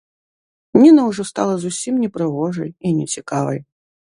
Ніна ўжо стала зусім непрыгожай і нецікавай.